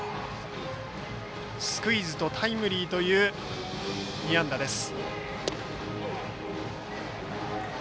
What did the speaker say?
スクイズとタイムリーという２安打です。